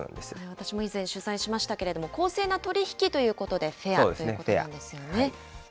私も以前、取材しましたけれども、公正な取り引きということで、フェアということなんですよね。